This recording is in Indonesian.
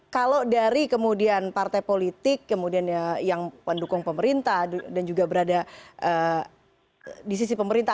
kalau dari kemudian partai politik kemudian yang pendukung pemerintah dan juga berada di sisi pemerintah